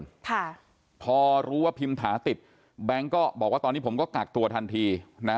ค่ะพอรู้ว่าพิมถาติดแบงค์ก็บอกว่าตอนนี้ผมก็กักตัวทันทีนะ